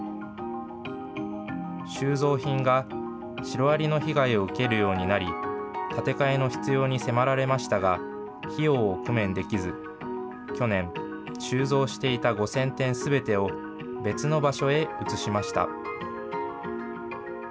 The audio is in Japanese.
収蔵品がシロアリの被害を受けるようになり、建て替えの必要に迫られましたが、費用を工面できず、去年、収蔵していた５０００点すべてを、別の場所へ移しました。